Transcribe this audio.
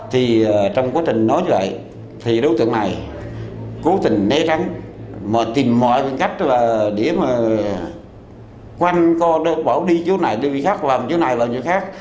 thì trong quá trình nói như vậy thì đối tượng này cố tình né rắn mà tìm mọi một cách để mà quanh bảo đi chỗ này đi chỗ khác vào chỗ này vào chỗ khác